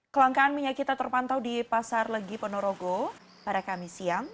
kelangkaan minyak kita terpantau di pasar legi ponorogo pada kamis siang